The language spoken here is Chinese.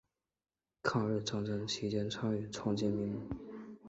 抗日战争期间参与创建民盟。